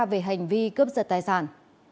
về hành vi cướp giật tài sản